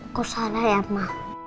aku salah ya ma